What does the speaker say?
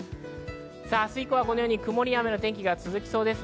明日以降はこのように曇りや雨の天気が続きそうです。